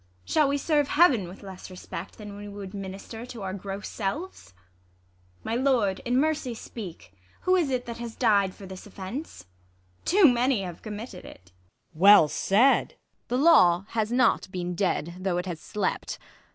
Shall we serve Heaven ^Vith less respect, than we would minister To our gross selves ? My lord, in mercy speak ! Who is it that has died for this oflfence I Too manv have committed it. Luc. Well said! Ang, The law has not been dead, though it has slept.